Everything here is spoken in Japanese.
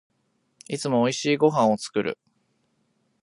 いつも美味しいご飯を作る